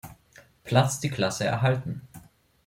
Platz die Klasse erhalten.